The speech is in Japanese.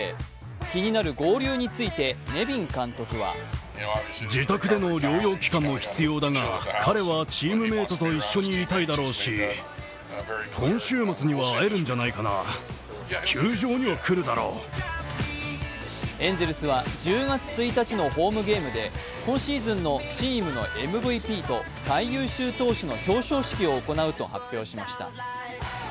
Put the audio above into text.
気になる合流について、ネビン監督はエンゼルスは１０月１日のホームゲームでこのシーズンのチームのＭＶＰと最優秀投手の表彰式を行うと発表しました。